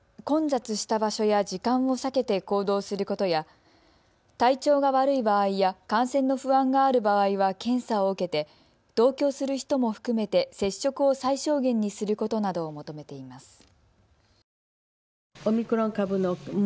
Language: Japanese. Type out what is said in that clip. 混雑した場所や時間を避けて行動することや体調が悪い場合や、感染の不安がある場合は検査を受けて同居する人も含めて接触を最小限にすることなどを求めています。